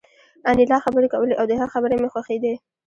انیلا خبرې کولې او د هغې خبرې مې خوښېدې